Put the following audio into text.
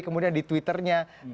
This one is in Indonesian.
kemudian di twitter nya